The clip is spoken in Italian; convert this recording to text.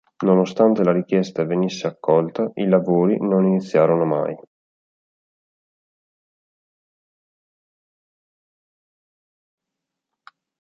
Nonostante la richiesta venisse accolta i lavori non iniziarono mai.